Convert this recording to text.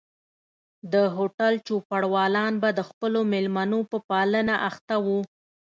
د هوټل چوپړوالان به د خپلو مېلمنو په پالنه اخته وو.